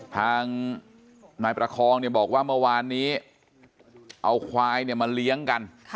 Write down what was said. ทางนายประคองเนี่ยบอกว่าเมื่อวานนี้เอาควายมาเลี้ยงกัน